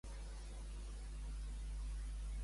On es trobava concretament Eutresis?